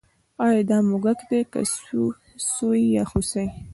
ایا دا موږک دی که سوی یا هوسۍ